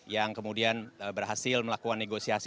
yang kemudian berhasil melakukan